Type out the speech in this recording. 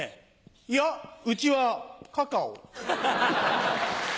いやうちはカカオ。